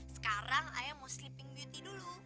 sekarang ayah mau sleeping beauty dulu